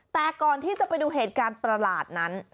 แต่ก่อนที่จะไปดูเหตุการณ์ประหลาดนั้น